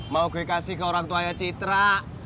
mau gue kasih ke orang tuanya citra